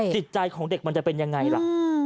จิตใจของเด็กมันจะเป็นยังไงล่ะ